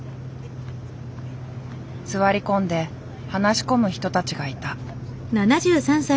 座り込んで話し込む人たちがいた。